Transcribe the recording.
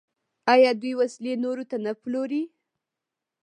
آیا دوی وسلې نورو ته نه پلوري؟